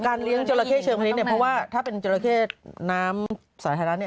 การเลี้ยงจอลาเค้เฉยมานี้เนี่ยเพราะว่าถ้าเป็นจอลาเค้น้ำสายไทยร้านเนี่ย